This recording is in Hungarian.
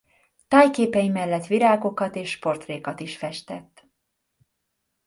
Tájképei mellett virágokat és portrékat is festett.